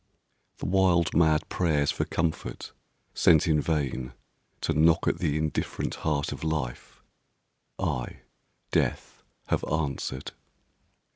The wild mad prayers for comfort sent in vain To knock at the indifferent heart of Life, I, Death, have answered.